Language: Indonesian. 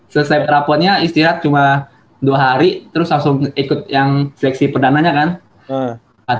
selesai rapornya istirahat cuma dua hari terus langsung ikut yang teksi perdananya kan ada